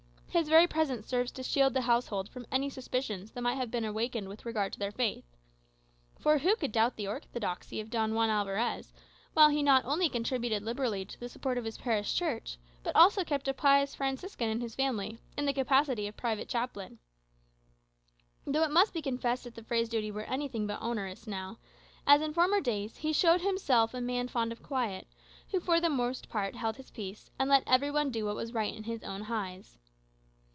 His very presence served to shield the household from any suspicions that might have been awakened with regard to their faith. For who could doubt the orthodoxy of Don Juan Alvarez, while he not only contributed liberally to the support of his parish church, but also kept a pious Franciscan in his family, in the capacity of private chaplain? Though it must be confessed that the Fray's duties were anything but onerous; now, as in former days, he showed himself a man fond of quiet, who for the most part held his peace, and let every one do what was right in his own eyes.